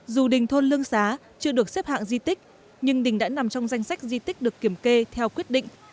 dù đình thôn lương xá chưa được xếp hạng di tích nhưng đình đã nằm trong danh sách di tích được kiểm kê theo quyết định